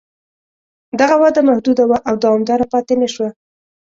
دغه وده محدوده وه او دوامداره پاتې نه شوه